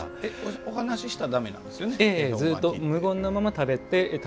お話をしたらだめなんですよ。